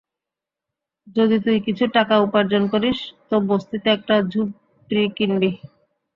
যদি তুই কিছু টাকা উপার্জন করিস, তো বস্তিতে একটা ঝুপড়ি কিনবি।